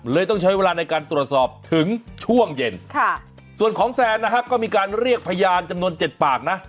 ต้องใช้เวลาในการตรวจสอบถึงช่วงเย็นส่วนของแซนนะฮะก็มีการเรียกพยานจำนวน๗ปากนะ